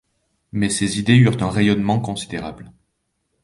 Mais ses idées eurent un rayonnement considérable.